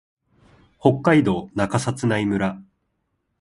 北海道中札内村